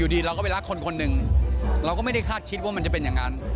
ดีเราก็ไปรักคนคนหนึ่งเราก็ไม่ได้คาดคิดว่ามันจะเป็นอย่างนั้น